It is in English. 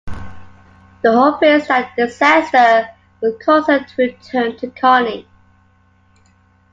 The hope is that the disaster will cause her to return to Connie.